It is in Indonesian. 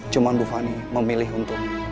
cuma bu fani memilih untuk